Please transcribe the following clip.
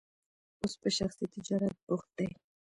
اوس په شخصي تجارت بوخت دی.